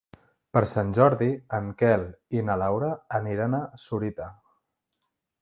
Per Sant Jordi en Quel i na Laura aniran a Sorita.